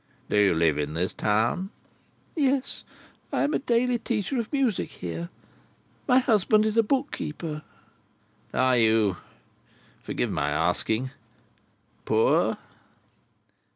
"Do you live in this town?" "Yes. I am a daily teacher of music here. My husband is a book keeper." "Are you—forgive my asking—poor?"